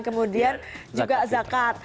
kemudian juga zakat